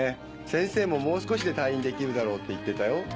先生ももう少しで退院できるだろうって言ってたよ。